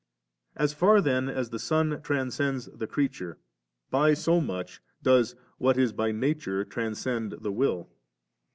As far then as the Son transcends the creature, by so much does what is by nature transcend the will 3.